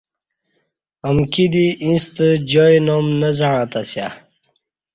امکی دی ییݩستہ جائی نام نہ زعݩتہ اسی